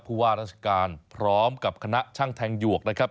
ผู้ว่าราชการพร้อมกับคณะช่างแทงหยวกนะครับ